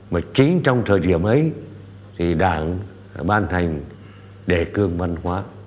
mà chính trong thời điểm ấy thì đảng ban hành đề cương văn hóa